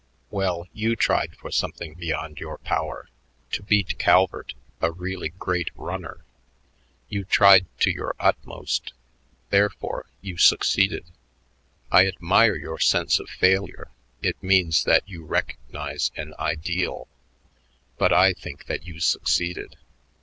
Well, you tried for something beyond your power to beat Calvert, a really great runner. You tried to your utmost; therefore, you succeeded. I admire your sense of failure; it means that you recognize an ideal. But I think that you succeeded.